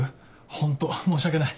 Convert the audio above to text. ホント申し訳ない。